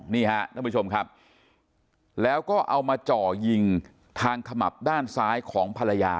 นี่ฮะท่านผู้ชมครับแล้วก็เอามาจ่อยิงทางขมับด้านซ้ายของภรรยา